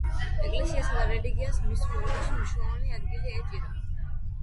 ეკლესიასა და რელიგიას მის ცხოვრებაში მნიშვნელოვანი ადგილი ეჭირა.